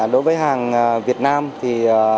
đối với hàng việt nam thì